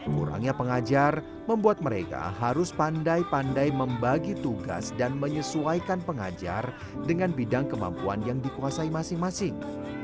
kurangnya pengajar membuat mereka harus pandai pandai membagi tugas dan menyesuaikan pengajar dengan bidang kemampuan yang dikuasai masing masing